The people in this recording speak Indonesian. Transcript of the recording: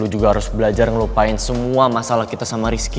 juga harus belajar ngelupain semua masalah kita sama rizky